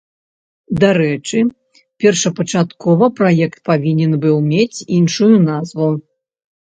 Дарэчы першапачаткова праект павінен быў мець іншую назву.